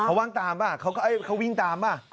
เค้าว่างตามไหมเขาวิ่งตามไหม